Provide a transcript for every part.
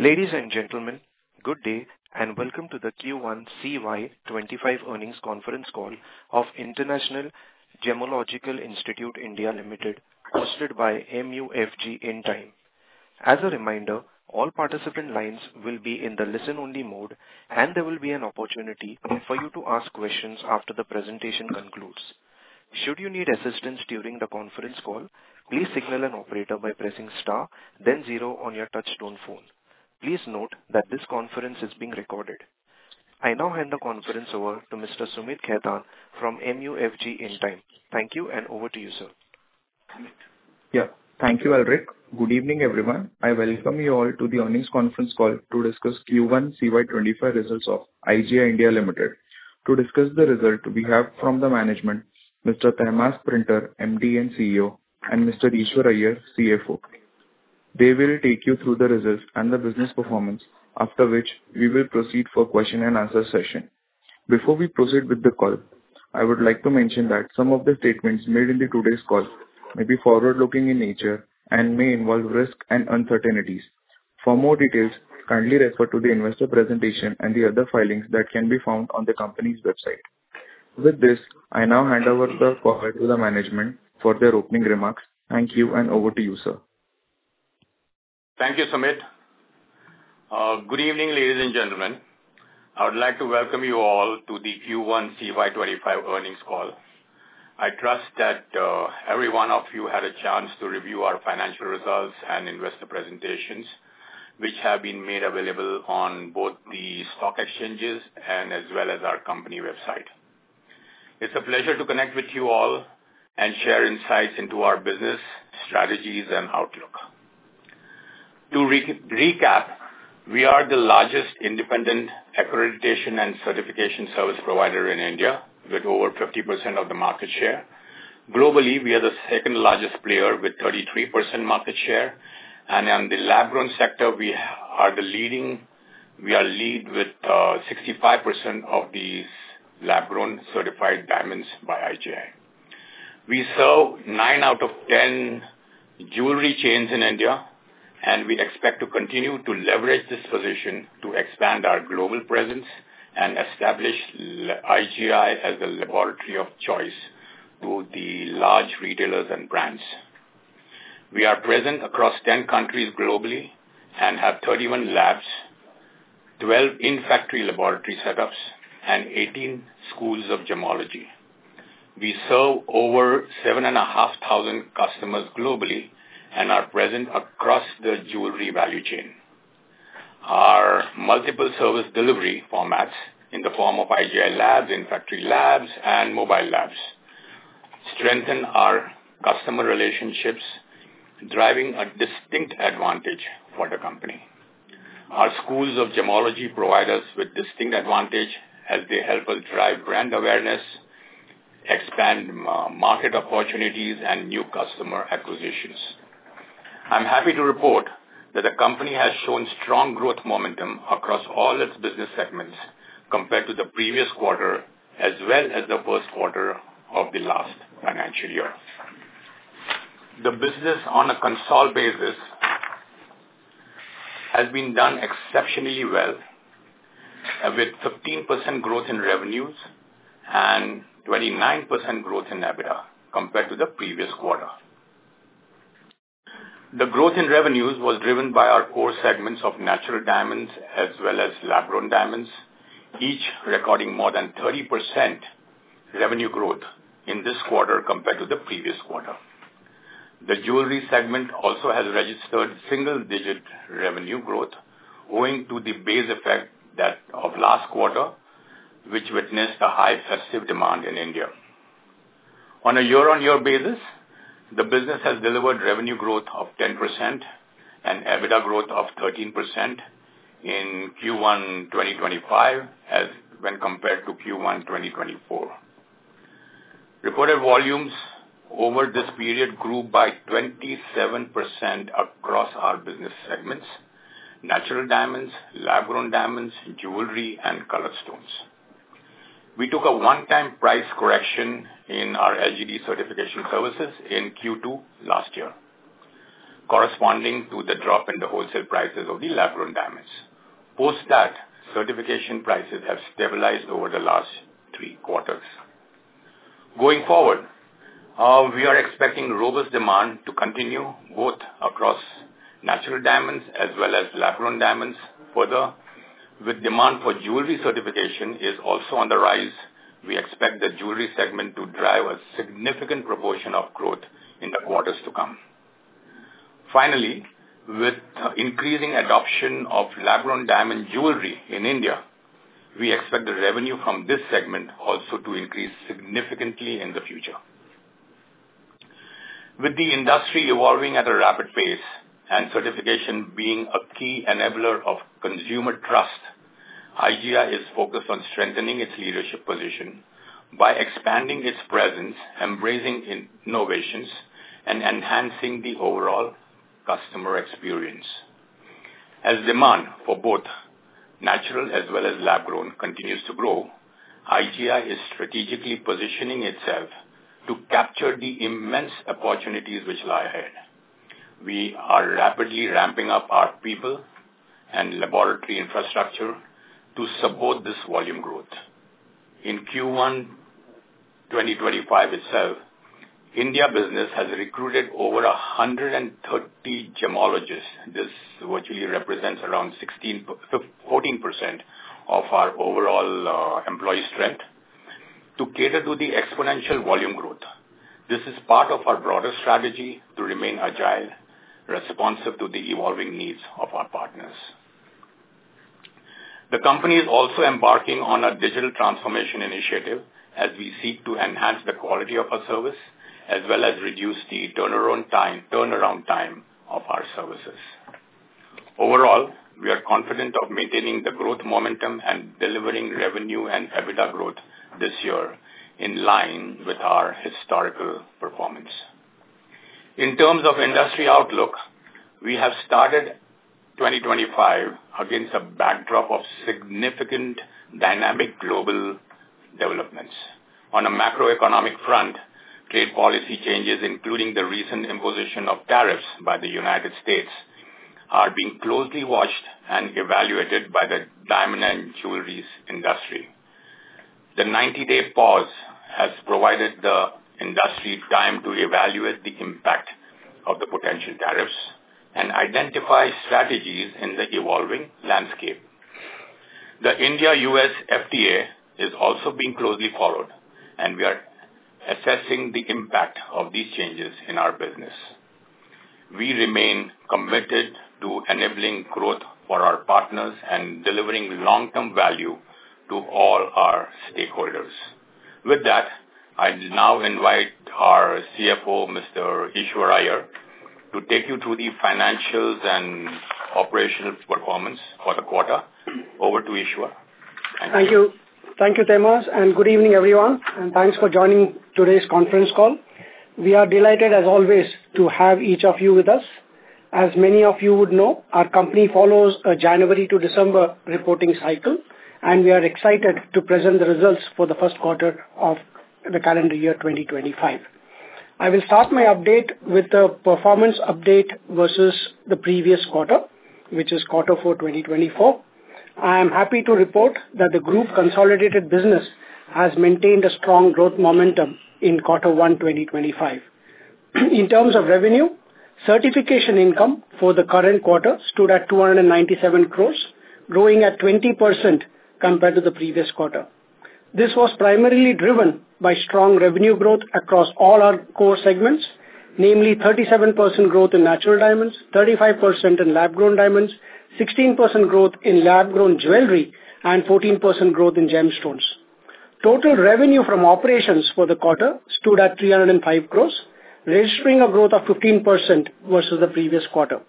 Ladies and gentlemen, good day and welcome to the Q1 CY 2025 earnings conference call of International Gemological Institute India Limited, hosted by MUFG Intime. As a reminder, all participant lines will be in the listen-only mode, and there will be an opportunity for you to ask questions after the presentation concludes. Should you need assistance during the conference call, please signal an operator by pressing star, then zero on your touch-tone phone. Please note that this conference is being recorded. I now hand the conference over to Mr. Sumeet Khaitan from MUFG Intime. Thank you, and over to you, sir. Yeah, thank you, Alrik. Good evening, everyone. I welcome you all to the earnings conference call to discuss Q1 CY 2025 results of IGI India Limited. To discuss the result, we have from the management, Mr. Tehmasp Printer, MD and CEO, and Mr. Eashwar Iyer, CFO. They will take you through the results and the business performance, after which we will proceed for question-and-answer session. Before we proceed with the call, I would like to mention that some of the statements made in today's call may be forward-looking in nature and may involve risk and uncertainties. For more details, kindly refer to the investor presentation and the other filings that can be found on the company's website. With this, I now hand over the call to the management for their opening remarks. Thank you, and over to you, sir. Thank you, Sumeet. Good evening, ladies and gentlemen. I would like to welcome you all to the Q1 CY 2025 earnings call. I trust that every one of you had a chance to review our financial results and investor presentations, which have been made available on both the stock exchanges and as well as our company website. It's a pleasure to connect with you all and share insights into our business strategies and outlook. To recap, we are the largest independent accreditation and certification service provider in India, with over 50% of the market share. Globally, we are the second largest player with 33% market share, and in the lab-grown sector, we are leading with 65% of these lab-grown certified diamonds by IGI. We serve nine out of 10 jewelry chains in India, and we expect to continue to leverage this position to expand our global presence and establish IGI as a laboratory of choice to the large retailers and brands. We are present across 10 countries globally and have 31 labs, 12 in-factory laboratory setups, and 18 schools of gemology. We serve over 7,500 customers globally and are present across the jewelry value chain. Our multiple service delivery formats, in the form of IGI labs, in-factory labs, and mobile labs, strengthen our customer relationships, driving a distinct advantage for the company. Our schools of gemology provide us with distinct advantage as they help us drive brand awareness, expand market opportunities, and new customer acquisitions. I'm happy to report that the company has shown strong growth momentum across all its business segments compared to the previous quarter as well as the first quarter of the last financial year. The business, on a consolidated basis, has been done exceptionally well, with 15% growth in revenues and 29% growth in EBITDA compared to the previous quarter. The growth in revenues was driven by our core segments of natural diamonds as well as lab-grown diamonds, each recording more than 30% revenue growth in this quarter compared to the previous quarter. The jewelry segment also has registered single-digit revenue growth, owing to the base effect of last quarter, which witnessed a high festive demand in India. On a year-on-year basis, the business has delivered revenue growth of 10% and EBITDA growth of 13% in Q1 2025 when compared to Q1 2024. Reported volumes over this period grew by 27% across our business segments: natural diamonds, lab-grown diamonds, jewelry, and colored stones. We took a one-time price correction in our LGD certification services in Q2 last year, corresponding to the drop in the wholesale prices of the lab-grown diamonds. Post that, certification prices have stabilized over the last three quarters. Going forward, we are expecting robust demand to continue both across natural diamonds as well as lab-grown diamonds. Further, with demand for jewelry certification also on the rise, we expect the jewelry segment to drive a significant proportion of growth in the quarters to come. Finally, with increasing adoption of lab-grown diamond jewelry in India, we expect the revenue from this segment also to increase significantly in the future. With the industry evolving at a rapid pace and certification being a key enabler of consumer trust, IGI is focused on strengthening its leadership position by expanding its presence, embracing innovations, and enhancing the overall customer experience. As demand for both natural as well as lab-grown continues to grow, IGI is strategically positioning itself to capture the immense opportunities which lie ahead. We are rapidly ramping up our people and laboratory infrastructure to support this volume growth. In Q1 2025 itself, India business has recruited over 130 gemologists. This virtually represents around 14% of our overall employee strength to cater to the exponential volume growth. This is part of our broader strategy to remain agile, responsive to the evolving needs of our partners. The company is also embarking on a digital transformation initiative as we seek to enhance the quality of our service as well as reduce the turnaround time of our services. Overall, we are confident of maintaining the growth momentum and delivering revenue and EBITDA growth this year in line with our historical performance. In terms of industry outlook, we have started 2025 against a backdrop of significant dynamic global developments. On a macroeconomic front, trade policy changes, including the recent imposition of tariffs by the United States, are being closely watched and evaluated by the diamond and jewelry industry. The 90-day pause has provided the industry time to evaluate the impact of the potential tariffs and identify strategies in the evolving landscape. The India-U.S. FTA is also being closely followed, and we are assessing the impact of these changes in our business. We remain committed to enabling growth for our partners and delivering long-term value to all our stakeholders. With that, I now invite our CFO, Mr. Eashwar Iyer, to take you through the financials and operational performance for the quarter. Over to Eashwar. Thank you. Thank you, Tehmasp. And good evening, everyone. And thanks for joining today's conference call. We are delighted, as always, to have each of you with us. As many of you would know, our company follows a January to December reporting cycle, and we are excited to present the results for the first quarter of the calendar year 2025. I will start my update with the performance update versus the previous quarter, which is quarter four 2024. I am happy to report that the group consolidated business has maintained a strong growth momentum in quarter one 2025. In terms of revenue, certification income for the current quarter stood at 297 crores, growing at 20% compared to the previous quarter. This was primarily driven by strong revenue growth across all our core segments, namely 37% growth in natural diamonds, 35% in lab-grown diamonds, 16% growth in lab-grown jewelry, and 14% growth in gemstones. Total revenue from operations for the quarter stood at 305 crores, registering a growth of 15% versus the previous quarter.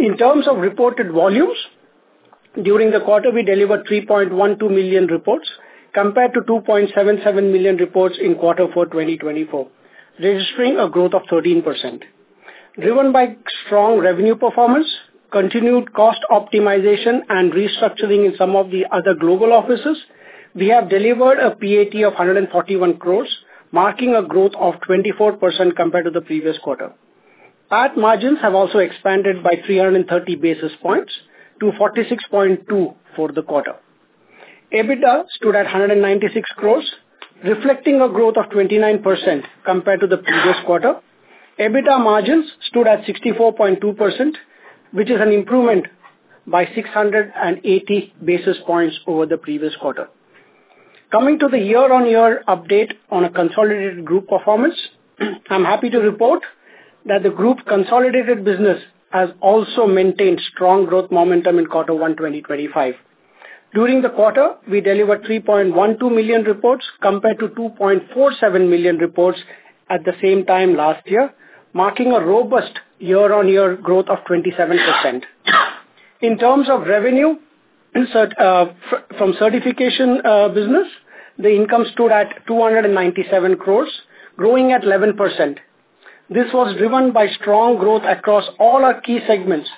In terms of reported volumes, during the quarter, we delivered 3.12 million reports compared to 2.77 million reports in quarter four 2024, registering a growth of 13%. Driven by strong revenue performance, continued cost optimization, and restructuring in some of the other global offices, we have delivered a PAT of 141 crores, marking a growth of 24% compared to the previous quarter. PAT margins have also expanded by 330 basis points to 46.2% for the quarter. EBITDA stood at 196 crores, reflecting a growth of 29% compared to the previous quarter. EBITDA margins stood at 64.2%, which is an improvement by 680 basis points over the previous quarter. Coming to the year-on-year update on a consolidated group performance, I'm happy to report that the group consolidated business has also maintained strong growth momentum in quarter one 2025. During the quarter, we delivered 3.12 million reports compared to 2.47 million reports at the same time last year, marking a robust year-on-year growth of 27%. In terms of revenue from certification business, the income stood at 297 crores, growing at 11%. This was driven by strong growth across all our key segments,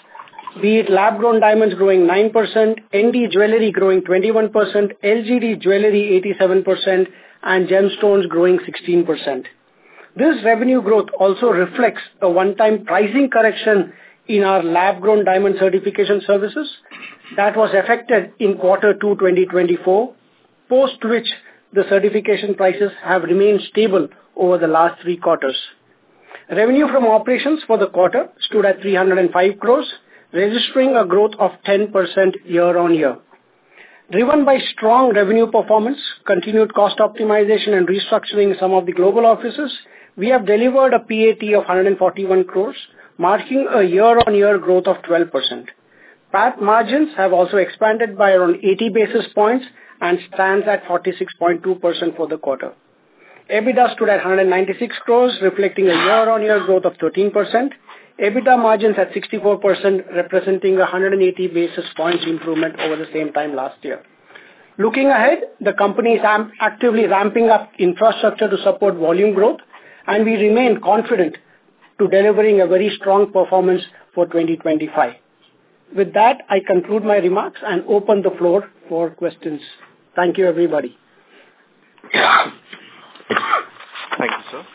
be it lab-grown diamonds growing 9%, ND jewelry growing 21%, LGD jewelry 87%, and gemstones growing 16%. This revenue growth also reflects a one-time pricing correction in our lab-grown diamond certification services that was affected in quarter two 2024, post which the certification prices have remained stable over the last three quarters. Revenue from operations for the quarter stood at 305 crores, registering a growth of 10% year-on-year. Driven by strong revenue performance, continued cost optimization, and restructuring in some of the global offices, we have delivered a PAT of 141 crores, marking a year-on-year growth of 12%. PAT margins have also expanded by around 80 basis points and stand at 46.2% for the quarter. EBITDA stood at 196 crores, reflecting a year-on-year growth of 13%. EBITDA margins at 64%, representing a 180 basis points improvement over the same time last year. Looking ahead, the company is actively ramping up infrastructure to support volume growth, and we remain confident in delivering a very strong performance for 2025. With that, I conclude my remarks and open the floor for questions. Thank you, everybody. Thank you, sir.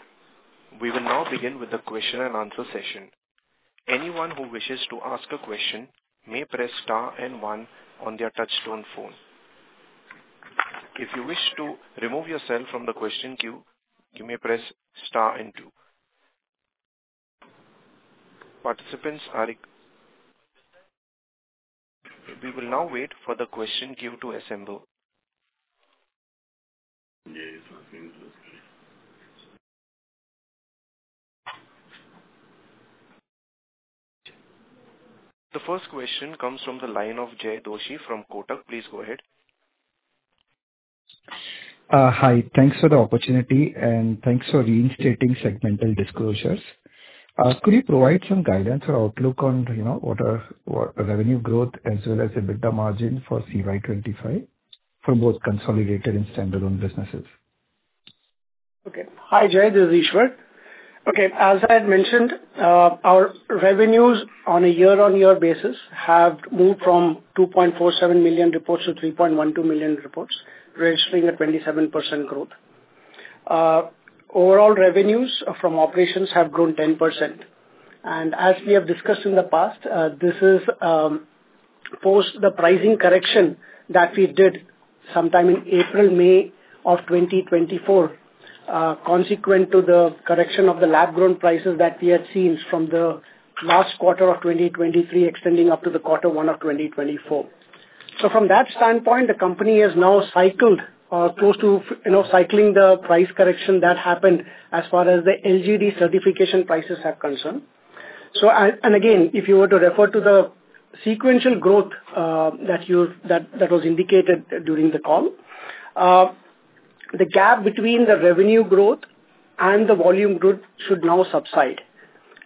We will now begin with the question and answer session. Anyone who wishes to ask a question may press star and one on their touch-tone phone. If you wish to remove yourself from the question queue, you may press star and two. We will now wait for the question queue to assemble. The first question comes from the line of Jay Doshi from Kotak. Please go ahead. Hi. Thanks for the opportunity, and thanks for reinstating segmental disclosures. Could you provide some guidance or outlook on what are revenue growth as well as EBITDA margin for CY 2025 for both consolidated and standalone businesses? Okay. Hi, Jay. This is Eashwar. Okay. As I had mentioned, our revenues on a year-on-year basis have moved from 2.47 million reports to 3.12 million reports, registering a 27% growth. Overall, revenues from operations have grown 10%. And as we have discussed in the past, this is post the pricing correction that we did sometime in April, May of 2024, consequent to the correction of the lab-grown prices that we had seen from the last quarter of 2023 extending up to the quarter one of 2024. So from that standpoint, the company has now cycled close to cycling the price correction that happened as far as the LGD certification prices are concerned. Again, if you were to refer to the sequential growth that was indicated during the call, the gap between the revenue growth and the volume growth should now subside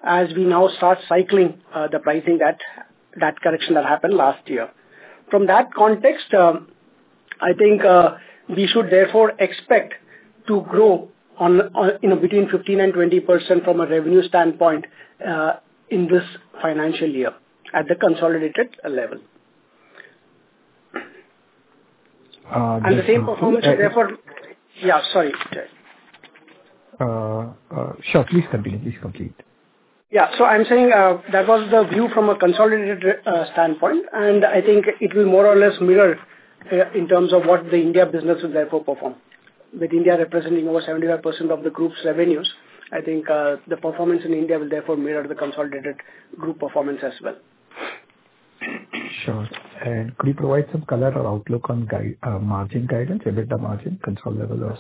as we now start cycling the pricing that correction that happened last year. From that context, I think we should therefore expect to grow between 15% and 20% from a revenue standpoint in this financial year at the consolidated level. And the same performance is therefore, yeah, sorry. Sure. Please continue. Please complete. Yeah, so I'm saying that was the view from a consolidated standpoint, and I think it will more or less mirror in terms of what the India business will therefore perform. With India representing over 75% of the group's revenues, I think the performance in India will therefore mirror the consolidated group performance as well. Sure. And could you provide some color or outlook on margin guidance, EBITDA margin, consolidated level?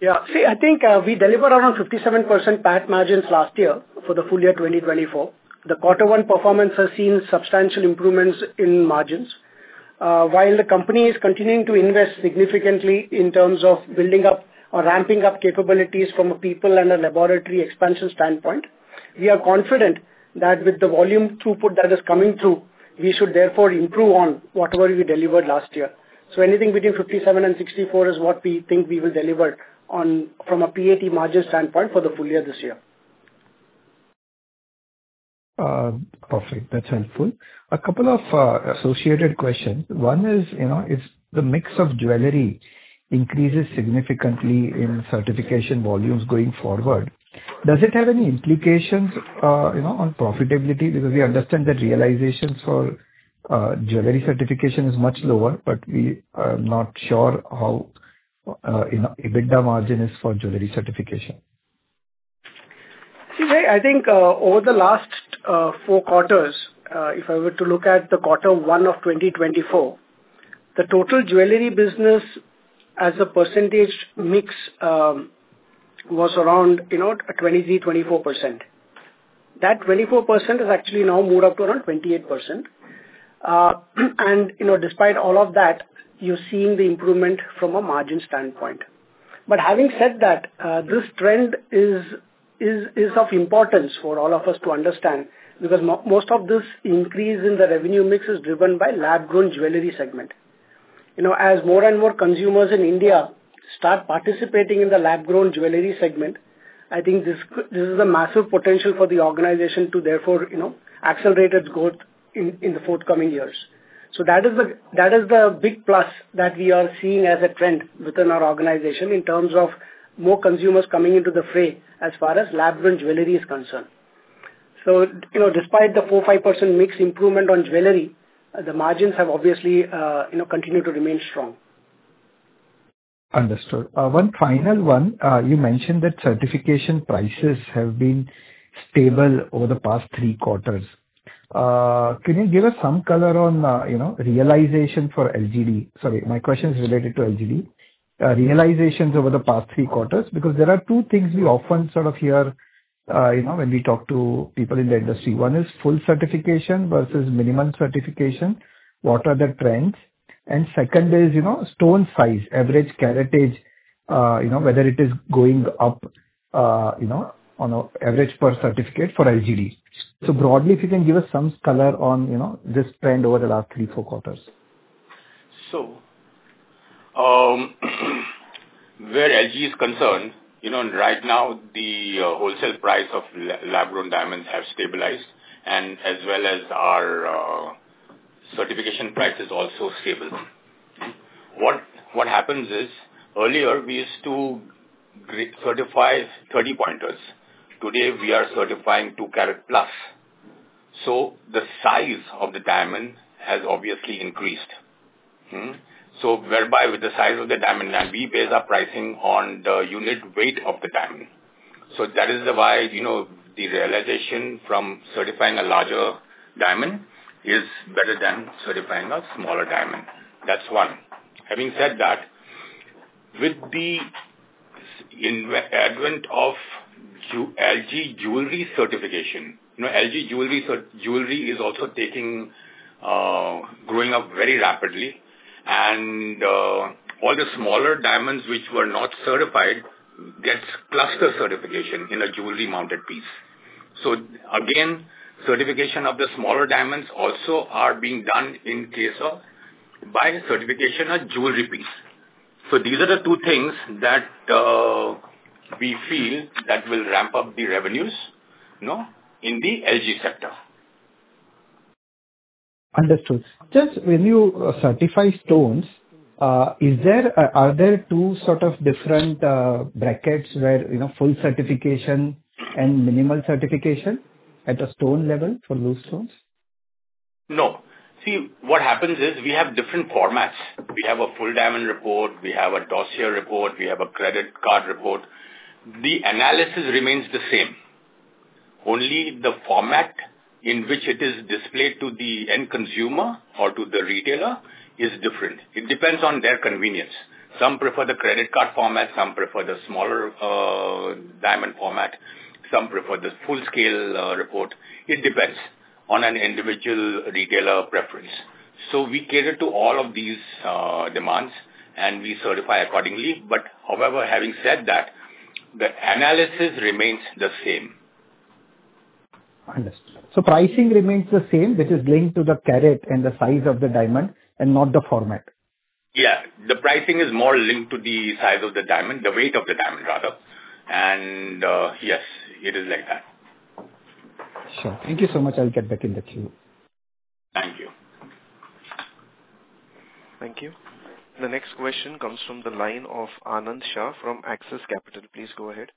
Yeah. See, I think we delivered around 57% PAT margins last year for the full year 2024. The quarter one performance has seen substantial improvements in margins. While the company is continuing to invest significantly in terms of building up or ramping up capabilities from a people and a laboratory expansion standpoint, we are confident that with the volume throughput that is coming through, we should therefore improve on whatever we delivered last year. So anything between 57% and 64% is what we think we will deliver from a PAT margin standpoint for the full year this year. Perfect. That's helpful. A couple of associated questions. One is, if the mix of jewelry increases significantly in certification volumes going forward, does it have any implications on profitability? Because we understand that realizations for jewelry certification is much lower, but we are not sure how EBITDA margin is for jewelry certification. See, Jay, I think over the last four quarters, if I were to look at the quarter one of 2024, the total jewelry business as a percentage mix was around 23%-24%. That 24% has actually now moved up to around 28%. And despite all of that, you're seeing the improvement from a margin standpoint. But having said that, this trend is of importance for all of us to understand because most of this increase in the revenue mix is driven by lab-grown jewelry segment. As more and more consumers in India start participating in the lab-grown jewelry segment, I think this is a massive potential for the organization to therefore accelerate its growth in the forthcoming years. So that is the big plus that we are seeing as a trend within our organization in terms of more consumers coming into the fray as far as lab-grown jewelry is concerned. So despite the 4%-5% mix improvement on jewelry, the margins have obviously continued to remain strong. Understood. One final one. You mentioned that certification prices have been stable over the past three quarters. Can you give us some color on realization for LGD? Sorry, my question is related to LGD. Realizations over the past three quarters? Because there are two things we often sort of hear when we talk to people in the industry. One is full certification versus minimum certification. What are the trends? And second is stone size, average caratage, whether it is going up on average per certificate for LGD. So broadly, if you can give us some color on this trend over the last three, four quarters. So where LG is concerned, right now, the wholesale price of lab-grown diamonds has stabilized, and as well as our certification price is also stable. What happens is, earlier, we used to certify 30 pointers. Today, we are certifying 2 carat+. So the size of the diamond has obviously increased. So whereby with the size of the diamond, we base our pricing on the unit weight of the diamond. So that is why the realization from certifying a larger diamond is better than certifying a smaller diamond. That's one. Having said that, with the advent of LG jewelry certification, LG jewelry is also growing up very rapidly. And all the smaller diamonds which were not certified get cluster certification in a jewelry-mounted piece. So again, certification of the smaller diamonds also is being done in case of bi-certification of jewelry piece. These are the two things that we feel that will ramp up the revenues in the LG sector. Understood. Just when you certify stones, are there two sort of different brackets where full certification and minimum certification at a stone level for those stones? No. See, what happens is we have different formats. We have a Full Diamond Report. We have a Dossier Report. We have a Credit Card Report. The analysis remains the same. Only the format in which it is displayed to the end consumer or to the retailer is different. It depends on their convenience. Some prefer the credit card format. Some prefer the smaller diamond format. Some prefer the full-scale report. It depends on an individual retailer preference. So we cater to all of these demands, and we certify accordingly. But however, having said that, the analysis remains the same. Understood. So pricing remains the same, which is linked to the carat and the size of the diamond and not the format? Yeah. The pricing is more linked to the size of the diamond, the weight of the diamond, rather. And yes, it is like that. Sure. Thank you so much. I'll get back in the queue. Thank you. Thank you. The next question comes from the line of Anand Shah from Axis Capital. Please go ahead.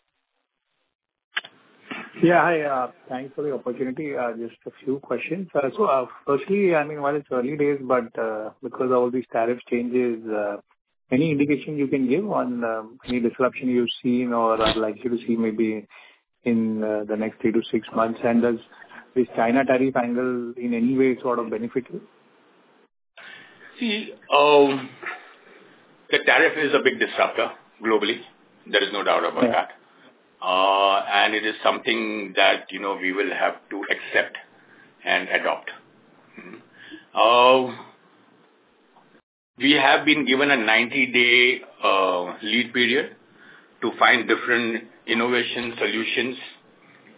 Yeah. Hi. Thanks for the opportunity. Just a few questions. So firstly, I mean, while it's early days, but because of all these tariff changes, any indication you can give on any disruption you've seen or are likely to see maybe in the next three to six months? And does this China tariff angle in any way sort of benefit you? See, the tariff is a big disruptor globally. There is no doubt about that. And it is something that we will have to accept and adopt. We have been given a 90-day lead period to find different innovation solutions,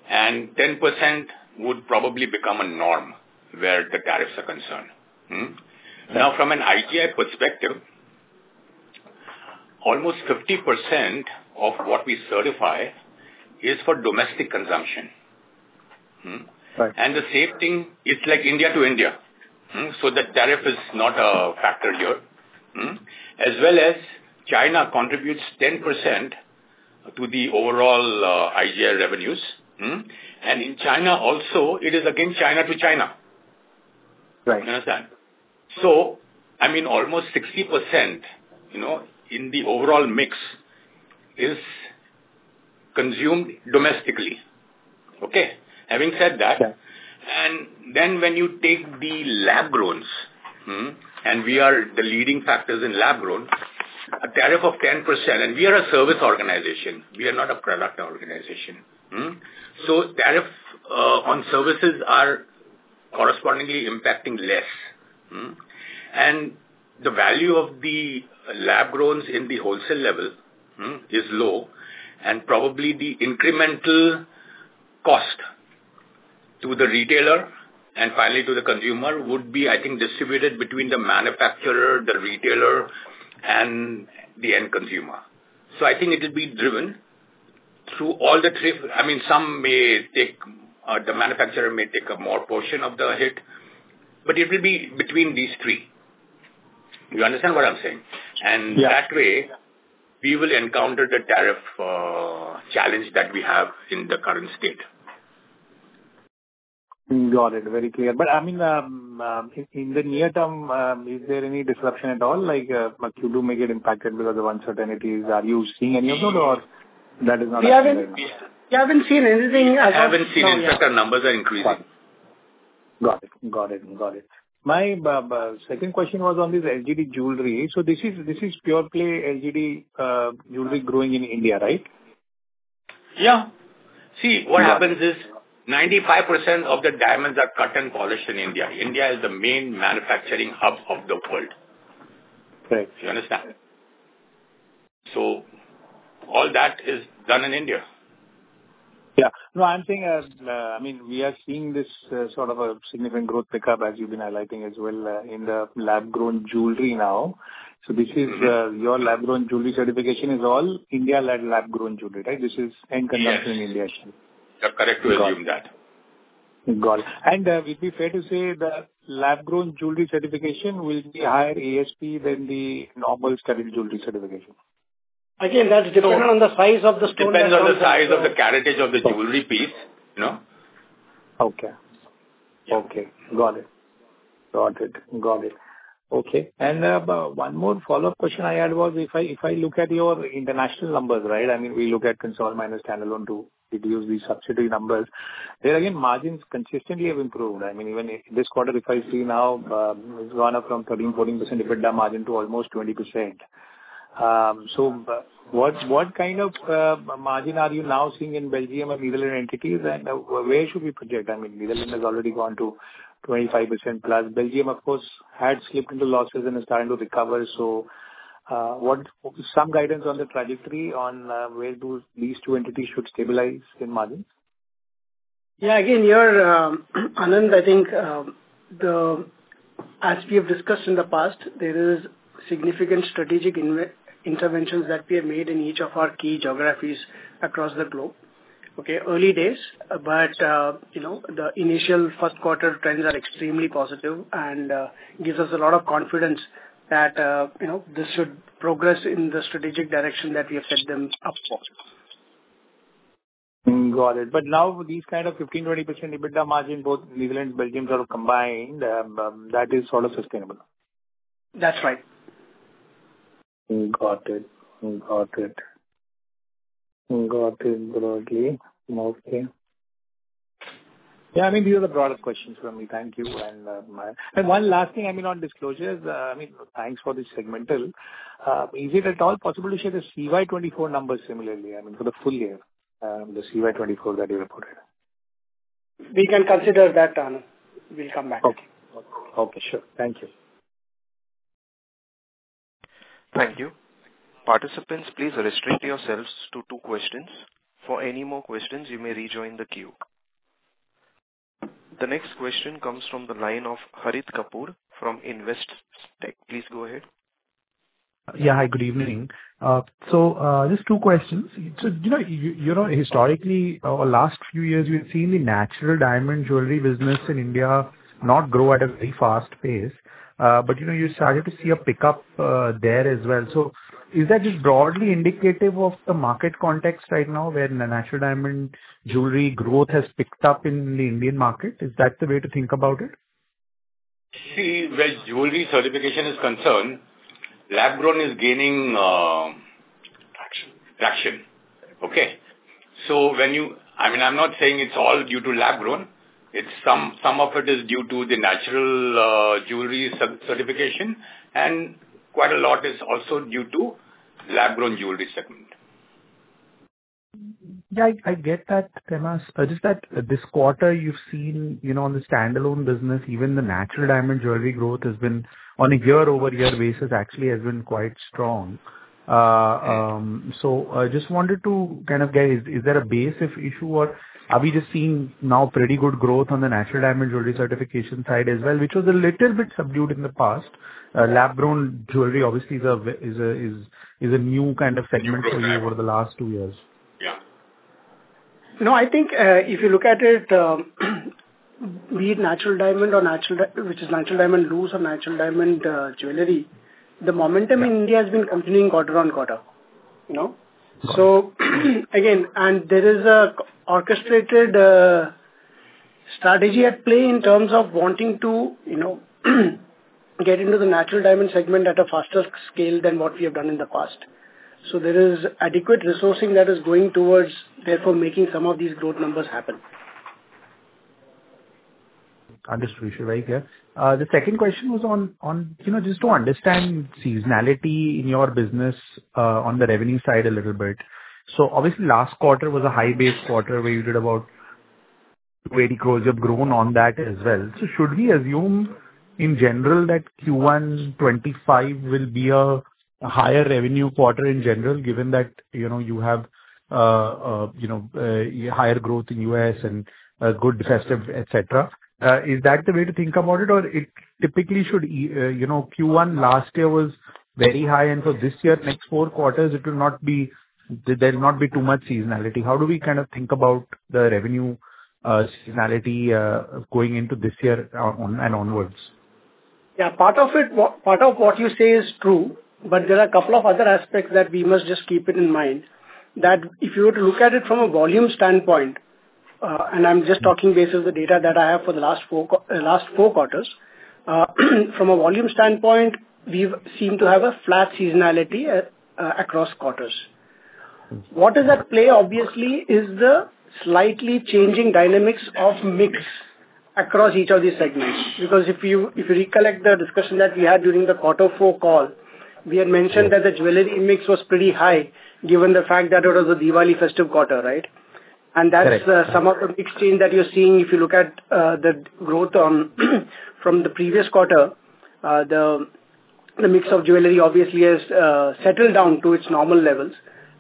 and 10% would probably become a norm where the tariffs are concerned. Now, from an IGI perspective, almost 50% of what we certify is for domestic consumption. And the same thing, it's like India to India. So the tariff is not a factor here. As well as China contributes 10% to the overall IGI revenues. And in China also, it is again China to China. You understand? So I mean, almost 60% in the overall mix is consumed domestically. Okay. Having said that, and then when you take the lab-growns, and we are the leading factors in lab-grown, a tariff of 10%, and we are a service organization. We are not a product organization. So tariffs on services are correspondingly impacting less. And the value of the lab-growns in the wholesale level is low. And probably the incremental cost to the retailer and finally to the consumer would be, I think, distributed between the manufacturer, the retailer, and the end consumer. So I think it will be driven through all the—I mean, some may take the manufacturer may take a more portion of the hit, but it will be between these three. You understand what I'm saying? And that way, we will encounter the tariff challenge that we have in the current state. Got it. Very clear. But I mean, in the near term, is there any disruption at all? Like you do make it impacted because of uncertainties. Are you seeing any of those, or that is not a concern? We haven't seen anything. We haven't seen anything. The numbers are increasing. Got it. Got it. Got it. My second question was on this LGD jewelry. So this is pure play LGD jewelry growing in India, right? Yeah. See, what happens is 95% of the diamonds are cut and polished in India. India is the main manufacturing hub of the world. You understand? So all that is done in India. Yeah. No, I'm saying, I mean, we are seeing this sort of a significant growth pickup, as you've been highlighting as well, in the lab-grown jewelry now. So your lab-grown jewelry certification is all India-led lab-grown jewelry, right? This is end consumption in India. Correct. You're correct to assume that. Got it. And would it be fair to say that lab-grown jewelry certification will be higher ASP than the normal natural jewelry certification? Again, that's dependent on the size of the stone. It depends on the size of the caratage of the jewelry piece. Okay. Okay. Got it. Got it. Got it. Okay. And one more follow-up question I had was, if I look at your international numbers, right? I mean, we look at consolidated minus standalone to derive these subsidiary numbers. There again, margins consistently have improved. I mean, even this quarter, if I see now, it's gone up from 13%-14% EBITDA margin to almost 20%. So what kind of margin are you now seeing in Belgium and Netherlands entities? And where should we project? I mean, Netherlands has already gone to 25%+. Belgium, of course, had slipped into losses and is starting to recover. So some guidance on the trajectory on where these two entities should stabilize in margins? Yeah. Again, Anand, I think as we have discussed in the past, there are significant strategic interventions that we have made in each of our key geographies across the globe. Okay. Early days, but the initial first quarter trends are extremely positive and give us a lot of confidence that this should progress in the strategic direction that we have set them up for. Got it. But now with these kind of 15%-20% EBITDA margin, both Netherlands and Belgium sort of combined, that is sort of sustainable. That's right. Got it. Got it. Got it. Broadly. Okay. Yeah. I mean, these are the broader questions for me. Thank you. And one last thing, I mean, on disclosures, I mean, thanks for the segmental. Is it at all possible to share the CY 2024 numbers similarly? I mean, for the full year, the CY 2024 that you reported. We can consider that, Anand. We'll come back. Okay. Sure. Thank you. Participants, please restrict yourselves to two questions. For any more questions, you may rejoin the queue. The next question comes from the line of Harit Kapoor from Investec. Please go ahead. Yeah. Hi. Good evening. So just two questions. So you know historically, over the last few years, we've seen the natural diamond jewelry business in India not grow at a very fast pace. But you started to see a pickup there as well. So is that just broadly indicative of the market context right now where the natural diamond jewelry growth has picked up in the Indian market? Is that the way to think about it? See, where jewelry certification is concerned, lab-grown is gaining traction. Okay. So when you—I mean, I'm not saying it's all due to lab-grown. Some of it is due to the natural jewelry certification, and quite a lot is also due to lab-grown jewelry segment. Yeah. I get that. Just that this quarter, you've seen on the standalone business, even the natural diamond jewelry growth has been on a year-over-year basis, actually has been quite strong. So I just wanted to kind of get, is there a base issue, or are we just seeing now pretty good growth on the natural diamond jewelry certification side as well, which was a little bit subdued in the past? Lab-grown jewelry, obviously, is a new kind of segment for you over the last two years. Yeah. No, I think if you look at it, be it natural diamond, which is natural diamond loose, or natural diamond jewelry, the momentum in India has been continuing quarter on quarter, so again, and there is an orchestrated strategy at play in terms of wanting to get into the natural diamond segment at a faster scale than what we have done in the past, so there is adequate resourcing that is going towards, therefore, making some of these growth numbers happen. Understood. You should be very clear. The second question was on just to understand seasonality in your business on the revenue side a little bit. So obviously, last quarter was a high-base quarter where you did about 280 crores. You have grown on that as well. So should we assume in general that Q1 2025 will be a higher revenue quarter in general, given that you have higher growth in the U.S. and good festive, etc.? Is that the way to think about it, or it typically should, Q1 last year was very high, and so this year, next four quarters, it will not be, there will not be too much seasonality. How do we kind of think about the revenue seasonality going into this year and onwards? Yeah. Part of what you say is true, but there are a couple of other aspects that we must just keep in mind that if you were to look at it from a volume standpoint, and I'm just talking based on the data that I have for the last four quarters, from a volume standpoint, we've seemed to have a flat seasonality across quarters. What does that play? Obviously, is the slightly changing dynamics of mix across each of these segments. Because if you recollect the discussion that we had during the quarter four call, we had mentioned that the jewelry mix was pretty high given the fact that it was a Diwali festive quarter, right? And that's some of the mix change that you're seeing. If you look at the growth from the previous quarter, the mix of jewelry obviously has settled down to its normal levels.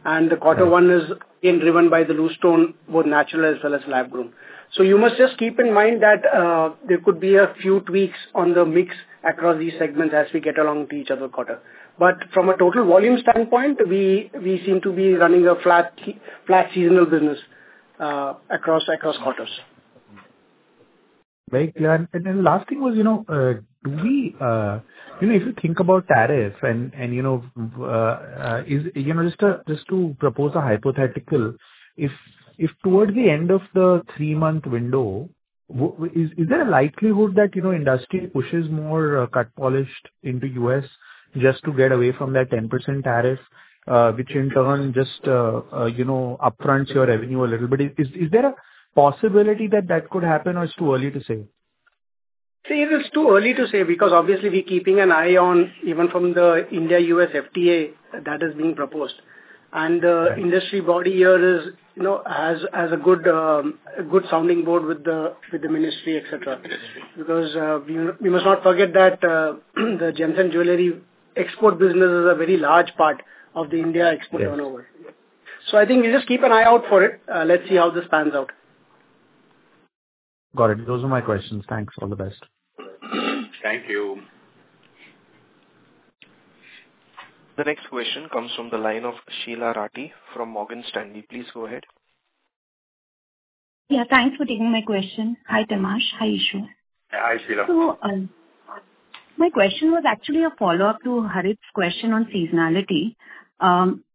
The quarter one is being driven by the loose stone, both natural as well as lab-grown. You must just keep in mind that there could be a few tweaks on the mix across these segments as we go along quarter to quarter. From a total volume standpoint, we seem to be running a flat seasonal business across quarters. Very clear. And then the last thing was, do we - if you think about tariffs and just to propose a hypothetical, if towards the end of the three-month window, is there a likelihood that industry pushes more cut polished into U.S. just to get away from that 10% tariff, which in turn just upfronts your revenue a little bit? Is there a possibility that that could happen, or it's too early to say? See, it is too early to say because obviously, we're keeping an eye on even from the India-U.S. FTA that is being proposed. And the industry body here has a good sounding board with the ministry, etc. Because we must not forget that the gemstone jewelry export business is a very large part of the India export turnover. So I think you just keep an eye out for it. Let's see how this pans out. Got it. Those are my questions. Thanks. All the best. Thank you. The next question comes from the line of Sheela Rathi from Morgan Stanley. Please go ahead. Yeah. Thanks for taking my question. Hi, Tehmasp. Hi, Eashwar. Hi, Sheela. So my question was actually a follow-up to Harit's question on seasonality.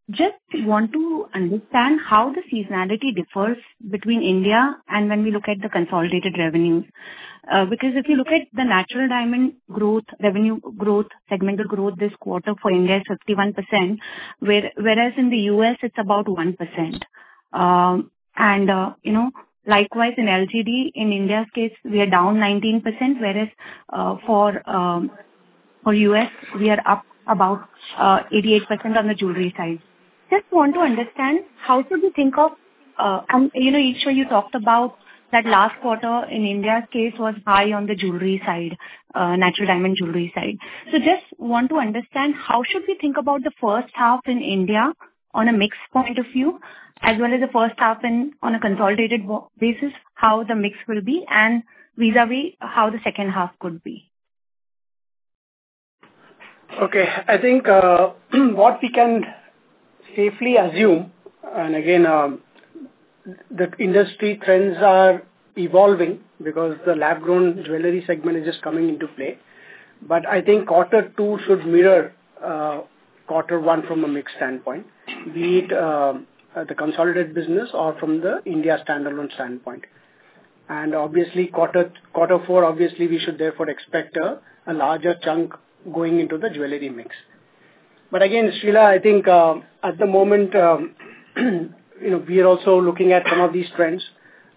Just want to understand how the seasonality differs between India and when we look at the consolidated revenues. Because if you look at the natural diamond growth, revenue growth, segmental growth this quarter for India is 51%, whereas in the US, it's about 1%. And likewise, in LGD, in India's case, we are down 19%, whereas for U.S., we are up about 88% on the jewelry side. Just want to understand how should we think of. I'm sure you talked about that last quarter in India's case was high on the jewelry side, natural diamond jewelry side. So, just want to understand how should we think about the first half in India on a mixed point of view, as well as the first half on a consolidated basis, how the mix will be, and vis-à-vis how the second half could be? Okay. I think what we can safely assume, and again, the industry trends are evolving because the lab-grown jewelry segment is just coming into play. But I think quarter two should mirror quarter one from a mixed standpoint, be it the consolidated business or from the India standalone standpoint. And obviously, quarter four, obviously, we should therefore expect a larger chunk going into the jewelry mix. But again, Sheela, I think at the moment, we are also looking at some of these trends,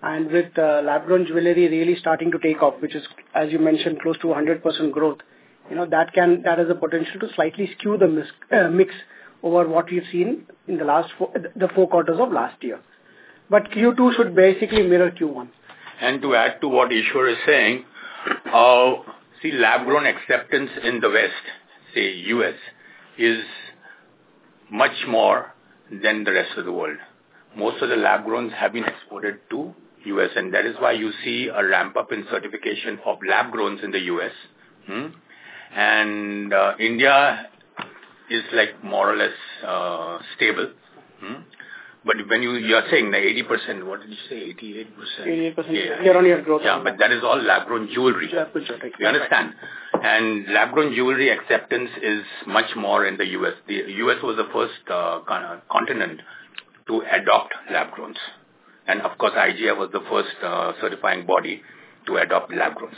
and with lab-grown jewelry really starting to take off, which is, as you mentioned, close to 100% growth, that has the potential to slightly skew the mix over what we've seen in the four quarters of last year. But Q2 should basically mirror Q1. To add to what Eashwar is saying, see, lab-grown acceptance in the West, say U.S., is much more than the rest of the world. Most of the lab-growns have been exported to U.S., and that is why you see a ramp-up in certification of lab-growns in the U.S. India is more or less stable. When you are saying the 80%, what did you say? 88%? 88%. Yeah. Carry on your growth. Yeah, but that is all lab-grown jewelry. Lab-grown jewelry. You understand? And lab-grown jewelry acceptance is much more in the U.S. The U.S. was the first continent to adopt lab-growns. And of course, IGI was the first certifying body to adopt lab-growns.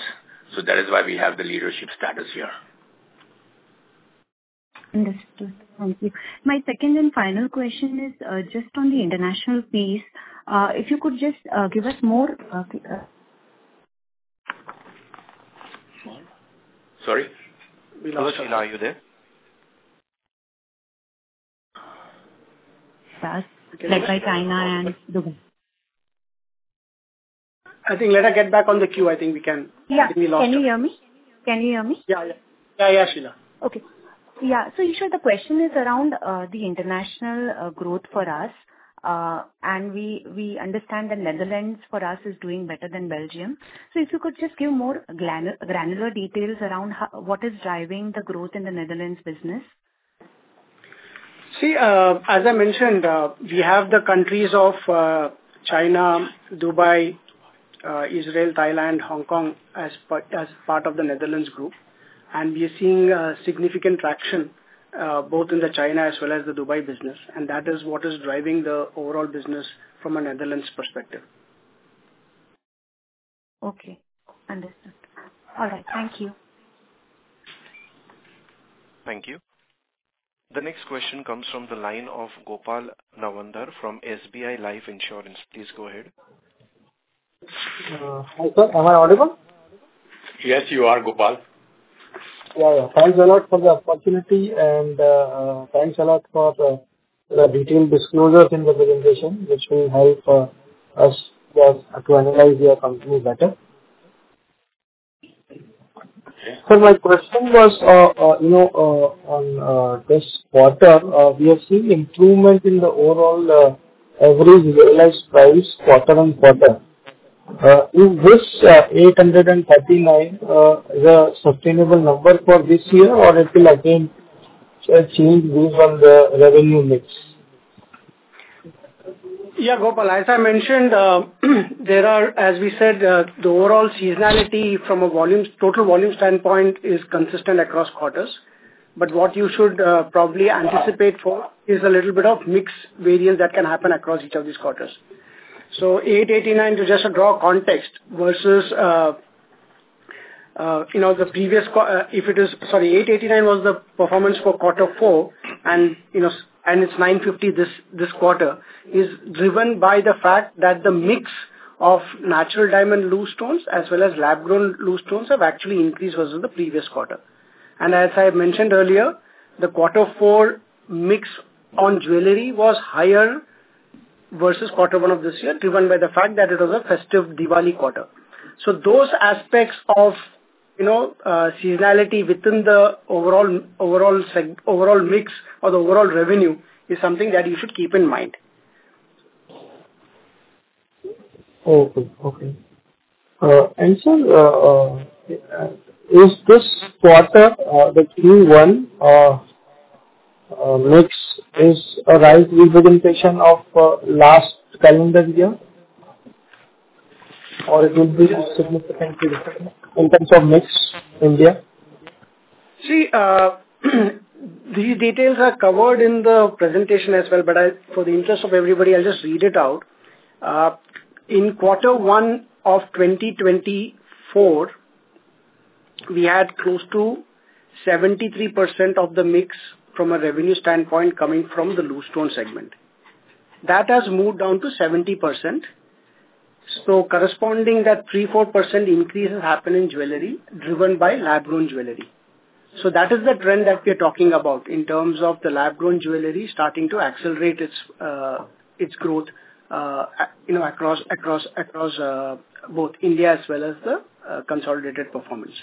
So that is why we have the leadership status here. Understood. Thank you. My second and final question is just on the international piece. If you could just give us more. Sorry? We lost you. Sheela, are you there? Fast. Like by China and Dubai. I think, let us get back on the queue. I think we can. Yeah. Can you hear me? Can you hear me? Yeah. Yeah. Yeah. Yeah, Sheela. Okay. Yeah. So Eashwar, the question is around the international growth for us. And we understand that Netherlands for us is doing better than Belgium. So if you could just give more granular details around what is driving the growth in the Netherlands business. See, as I mentioned, we have the countries of China, Dubai, Israel, Thailand, Hong Kong as part of the Netherlands group, and we are seeing significant traction both in the China as well as the Dubai business, and that is what is driving the overall business from a Netherlands perspective. Okay. Understood. All right. Thank you. Thank you. The next question comes from the line of Gopal Nawandhar from SBI Life Insurance. Please go ahead. Hi, sir. Am I audible? Yes, you are, Gopal. Thanks a lot for the opportunity, and thanks a lot for the detailed disclosures in the presentation, which will help us to analyze your company better. So my question was on this quarter, we have seen improvement in the overall average realized price quarter on quarter. Is this 839 a sustainable number for this year, or it will again change based on the revenue mix? Yeah, Gopal. As I mentioned, there are, as we said, the overall seasonality from a total volume standpoint is consistent across quarters. But what you should probably anticipate for is a little bit of mixed variance that can happen across each of these quarters. So 889, to just draw context versus the previous. 889 was the performance for quarter four, and it's 950 this quarter, is driven by the fact that the mix of natural diamond loose stones as well as lab-grown loose stones have actually increased versus the previous quarter. And as I mentioned earlier, the quarter four mix on jewelry was higher versus quarter one of this year, driven by the fact that it was a festive Diwali quarter. So those aspects of seasonality within the overall mix or the overall revenue is something that you should keep in mind. Okay. And, sir, is this quarter, the Q1 mix, a right representation of last calendar year? Or it will be significantly different in terms of mix in India? See, these details are covered in the presentation as well. But for the interest of everybody, I'll just read it out. In quarter one of 2024, we had close to 73% of the mix from a revenue standpoint coming from the loose stone segment. That has moved down to 70%. So corresponding that 3%-4% increase has happened in jewelry, driven by lab-grown jewelry. So that is the trend that we are talking about in terms of the lab-grown jewelry starting to accelerate its growth across both India as well as the consolidated performance.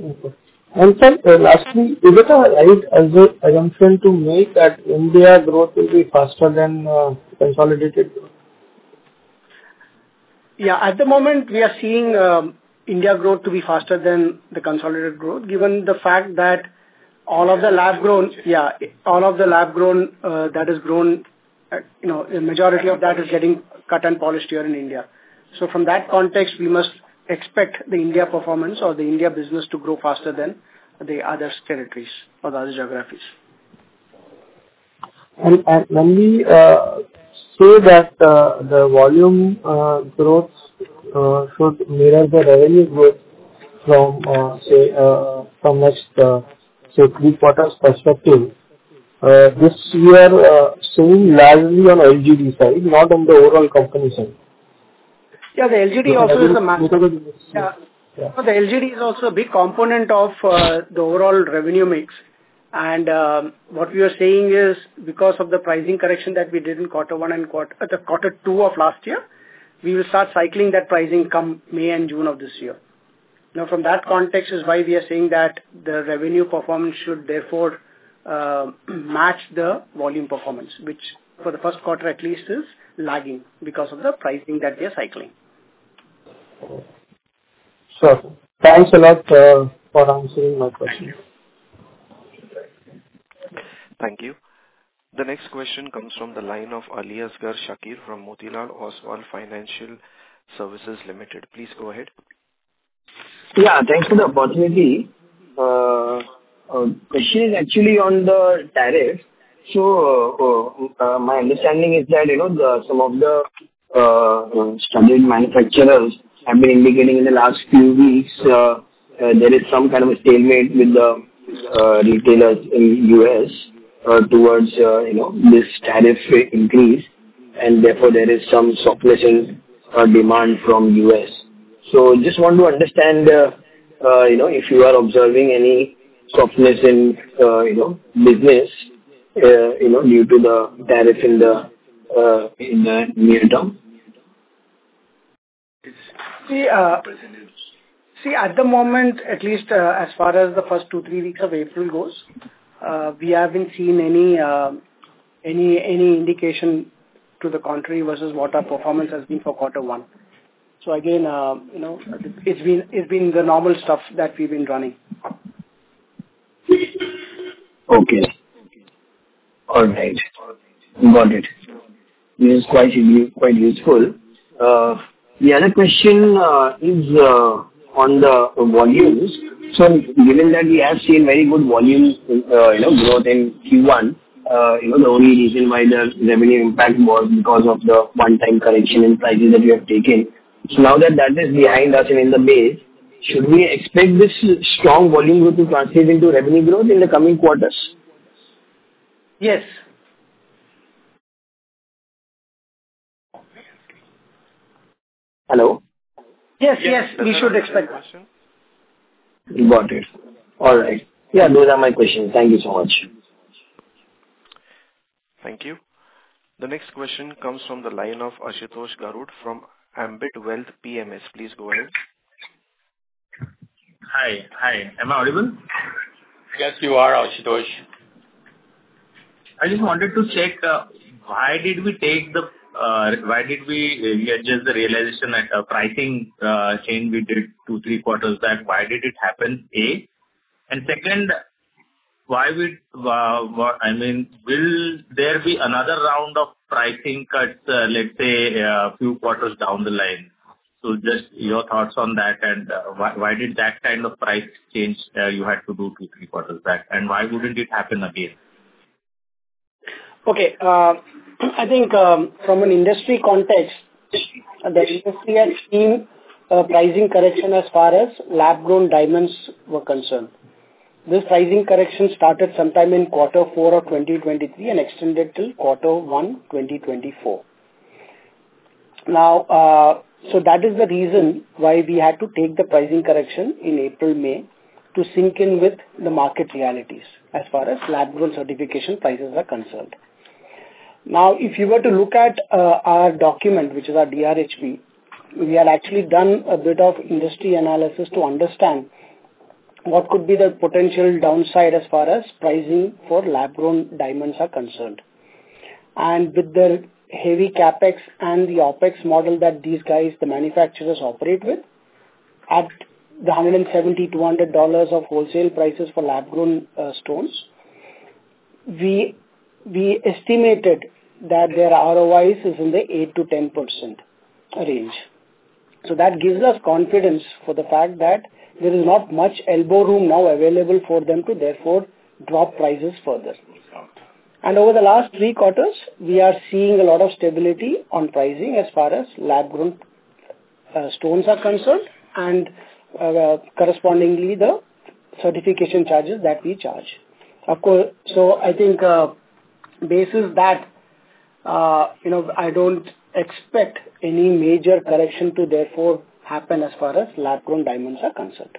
Okay. And sir, lastly, is it a right assumption to make that India growth will be faster than consolidated growth? Yeah. At the moment, we are seeing India growth to be faster than the consolidated growth, given the fact that all of the lab-grown that is grown, the majority of that is getting cut and polished here in India. So from that context, we must expect the India performance or the India business to grow faster than the other territories or the other geographies. When we say that the volume growth should mirror the revenue growth from, say, next, say, three quarters perspective, this year seen largely on LGD side, not on the overall company side. Yeah. The LGD is also a big component of the overall revenue mix. And what we are saying is because of the pricing correction that we did in quarter one and quarter two of last year, we will start cycling that pricing come May and June of this year. Now, from that context is why we are saying that the revenue performance should therefore match the volume performance, which for the first quarter at least is lagging because of the pricing that we are cycling. Thanks a lot for answering my question. Thank you. The next question comes from the line of Aliasgar Shakir from Motilal Oswal Financial Services Limited. Please go ahead. Yeah. Thanks for the opportunity. The question is actually on the tariffs. So my understanding is that some of the studied manufacturers have been indicating in the last few weeks there is some kind of a stalemate with the retailers in U.S. towards this tariff increase, and therefore there is some softness in demand from U.S. So just want to understand if you are observing any softness in business due to the tariff in the near term. See, at the moment, at least as far as the first two, three weeks of April goes, we haven't seen any indication to the contrary versus what our performance has been for quarter one. So again, it's been the normal stuff that we've been running. Okay. All right. Got it. This is quite useful. The other question is on the volumes. So given that we have seen very good volume growth in Q1, the only reason why the revenue impact was because of the one-time correction in prices that we have taken. So now that that is behind us and in the base, should we expect this strong volume growth to translate into revenue growth in the coming quarters? Yes. Hello? Yes. Yes. We should expect that. Got it. All right. Yeah. Those are my questions. Thank you so much. Thank you. The next question comes from the line of Ashutosh Garud from Ambit Wealth PMS. Please go ahead. Hi. Hi. Am I audible? Yes, you are, Ashutosh. I just wanted to check why did we just realize that pricing change we did two, three quarters back? Why did it happen? And second, why, I mean, will there be another round of pricing cuts, let's say, a few quarters down the line? So just your thoughts on that, and why did that kind of price change you had to do two, three quarters back? And why wouldn't it happen again? Okay. I think from an industry context, the industry has seen pricing correction as far as lab-grown diamonds were concerned. This pricing correction started sometime in quarter four of 2023 and extended till quarter one 2024. Now, so that is the reason why we had to take the pricing correction in April, May to sync in with the market realities as far as lab-grown certification prices are concerned. Now, if you were to look at our document, which is our DRHP, we had actually done a bit of industry analysis to understand what could be the potential downside as far as pricing for lab-grown diamonds are concerned. And with the heavy CapEx and the OpEx model that these guys, the manufacturers, operate with at the $170-$200 of wholesale prices for lab-grown stones, we estimated that their ROIs is in the 8%-10% range. That gives us confidence for the fact that there is not much elbow room now available for them to therefore drop prices further. Over the last three quarters, we are seeing a lot of stability on pricing as far as lab-grown stones are concerned, and correspondingly the certification charges that we charge. I think, based on that, I don't expect any major correction to therefore happen as far as lab-grown diamonds are concerned.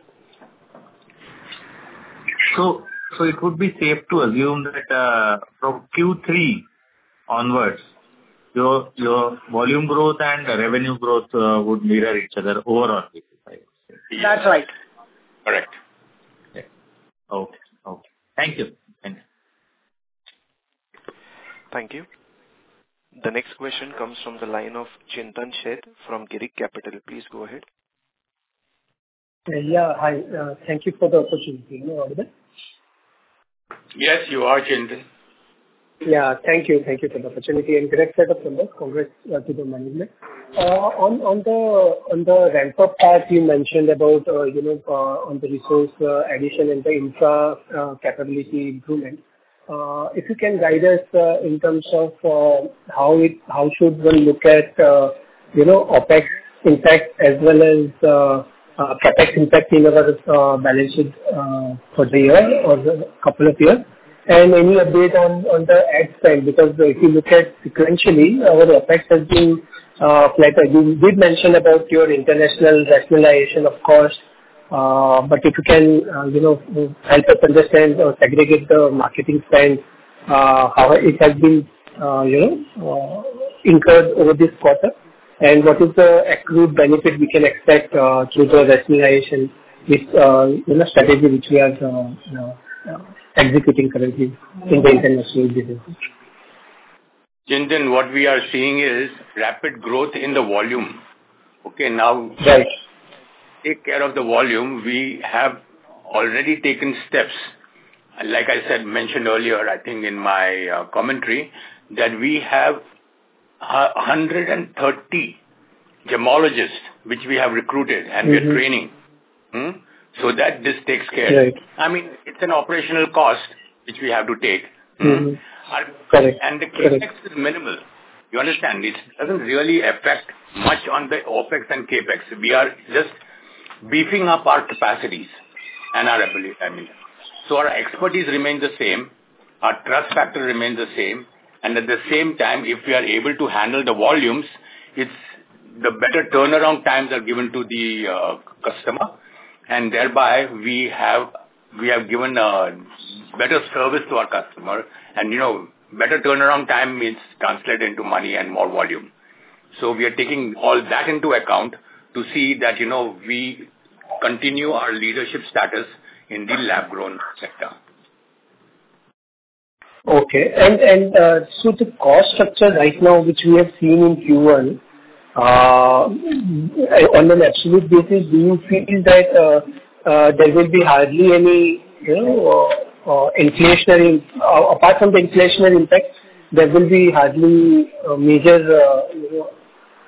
So it would be safe to assume that from Q3 onwards, your volume growth and revenue growth would mirror each other overall, I would say. That's right. Correct. Okay. Okay. Thank you. Thank you. Thank you. The next question comes from the line of Chintan Sheth from Girik Capital. Please go ahead. Yeah. Hi. Thank you for the opportunity. Are you all good? Yes, you are, Chintan. Yeah. Thank you. Thank you for the opportunity. And great setup from the Congress People Management. On the ramp-up part, you mentioned about on the resource addition and the infra capability improvement. If you can guide us in terms of how should one look at OpEx impact as well as CapEx impact in our balance sheet for the year or a couple of years? And any update on the ad spend? Because if you look at sequentially, our OpEx has been flat. You did mention about your international rationalization, of course. But if you can help us understand or segregate the marketing spend, how it has been incurred over this quarter, and what is the accrued benefit we can expect through the rationalization strategy which we are executing currently in the international business? Chintan, what we are seeing is rapid growth in the volume. Okay. Now, take care of the volume. We have already taken steps, like I mentioned earlier, I think, in my commentary, that we have 130 gemologists which we have recruited and we are training. So that this takes care. I mean, it's an operational cost which we have to take, and the CapEx is minimal. You understand? It doesn't really affect much on the OpEx and CapEx. We are just beefing up our capacities and our ability. I mean, so our expertise remains the same. Our trust factor remains the same, and at the same time, if we are able to handle the volumes, the better turnaround times are given to the customer, and thereby, we have given better service to our customer. Better turnaround time means translate into money and more volume. So we are taking all that into account to see that we continue our leadership status in the lab-grown sector. Okay. And so the cost structure right now, which we have seen in Q1, on an absolute basis, do you feel that there will be hardly any inflationary apart from the inflationary impact, there will be hardly major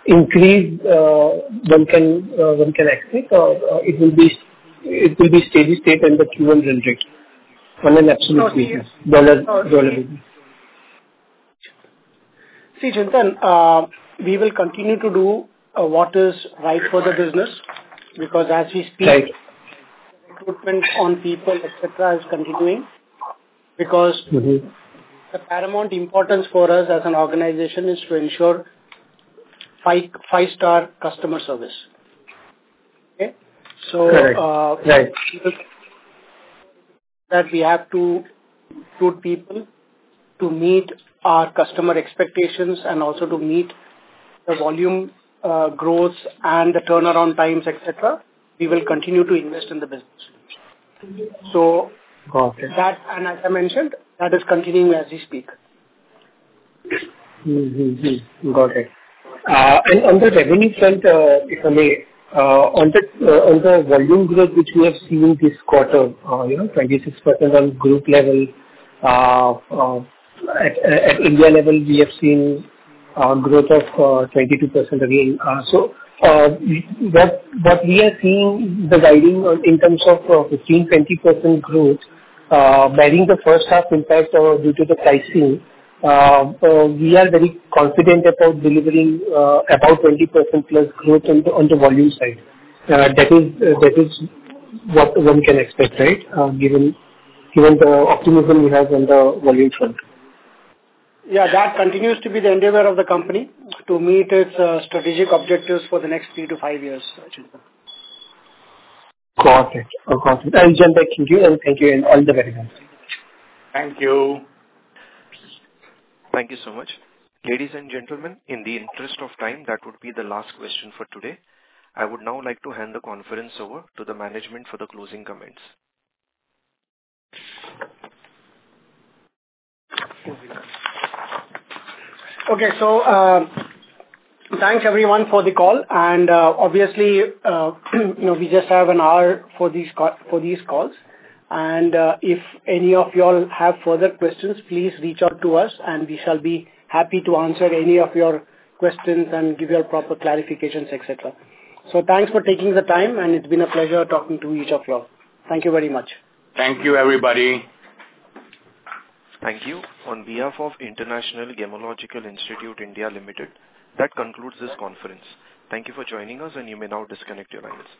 increase one can expect? Or it will be steady state and the Q1 run rate on an absolute basis? Dollar basis? See, Chintan, we will continue to do what is right for the business because as we speak, the recruitment on people, etc., is continuing. Because the paramount importance for us as an organization is to ensure five-star customer service. Okay? So that we have to recruit people to meet our customer expectations and also to meet the volume growth and the turnaround times, etc., we will continue to invest in the business. And as I mentioned, that is continuing as we speak. Got it. And on the revenue front, if I may, on the volume growth which we have seen this quarter, 26% on group level. At India level, we have seen growth of 22% again. So what we are seeing, the guiding in terms of 15%-20% growth, bearing the first half impact due to the pricing, we are very confident about delivering about 20%+ growth on the volume side. That is what one can expect, right, given the optimism we have on the volume front. Yeah. That continues to be the endeavor of the company to meet its strategic objectives for the next three to five years, Chintan. Got it. Got it. And join back the queue, thank you. And thank you all very much. Thank you. Thank you so much. Ladies and gentlemen, in the interest of time, that would be the last question for today. I would now like to hand the conference over to the management for the closing comments. Okay. So thanks, everyone, for the call. And obviously, we just have an hour for these calls. And if any of y'all have further questions, please reach out to us, and we shall be happy to answer any of your questions and give you proper clarifications, etc. So thanks for taking the time, and it's been a pleasure talking to each of y'all. Thank you very much. Thank you, everybody. Thank you. On behalf of International Gemological Institute India Limited, that concludes this conference. Thank you for joining us, and you may now disconnect your lines.